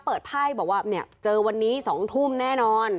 เปิดไพร์บอกว่าเจอวันนี้๒ทุ่มแน่นอน